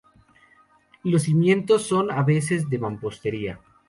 Los cimientos son, a veces, de mampostería.